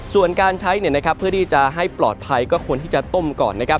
ส่วนการใช้เพื่อที่จะให้ปลอดภัยก็ควรที่จะต้มก่อน